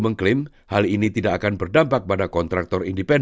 mengklaim hal ini tidak akan berdampak pada kontraktor independen